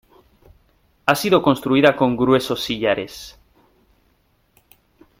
Ha sido construida con gruesos sillares.